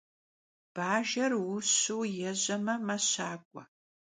Bajjer vuşu yêjeme, meşak'ue.